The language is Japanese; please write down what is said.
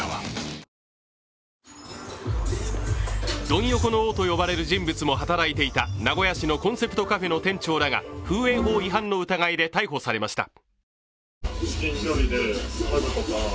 ドン横の王と呼ばれる人物も働いていた名古屋市のコンセプトカフェの店長らが風営法違反の疑いで逮捕されました。